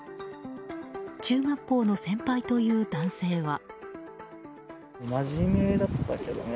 中学校の先輩という男性は。